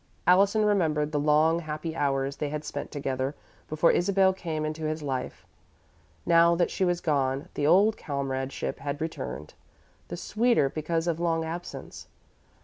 Allison remembered the long, happy hours they had spent together before Isabel came into his life. Now that she was gone, the old comradeship had returned, the sweeter because of long absence.